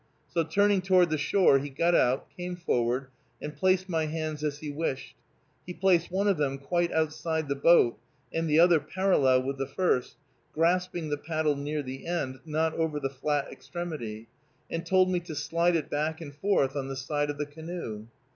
So, turning toward the shore, he got out, came forward, and placed my hands as he wished. He placed one of them quite outside the boat, and the other parallel with the first, grasping the paddle near the end, not over the flat extremity, and told me to slide it back and forth on the side of the canoe.